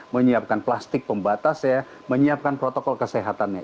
menyiapkan plastik pembatasnya menyiapkan protokol kesehatannya